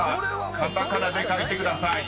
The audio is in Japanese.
カタカナで書いてください］